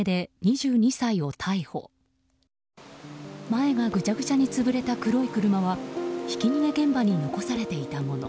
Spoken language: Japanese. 前がぐちゃぐちゃに潰れた黒い車はひき逃げ現場に残されていたもの。